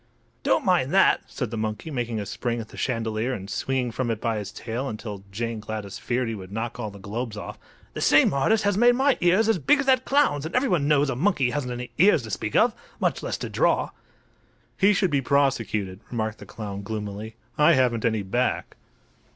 "Don't mind that," said the monkey, making a spring at the chandelier and swinging from it by his tail until Jane Gladys feared he would knock all the globes off; "the same artist has made my ears as big as that clown's and everyone knows a monkey hasn't any ears to speak of—much less to draw." "He should be prosecuted," remarked the clown, gloomily. "I haven't any back."